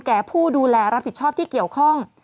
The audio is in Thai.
แก่ผู้ดูแลรับผิดชอบที่เกี่ยวข้อง